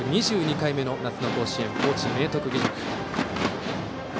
２２回目の夏の甲子園高知・明徳義塾。